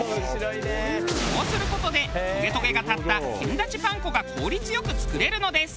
こうする事でトゲトゲが立った剣立ちパン粉が効率良く作れるのです。